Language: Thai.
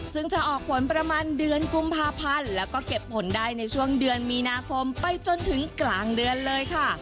ซึ่งจะออกผลประมาณเดือนกุมภาพันธ์แล้วก็เก็บผลได้ในช่วงเดือนมีนาคมไปจนถึงกลางเดือนเลยค่ะ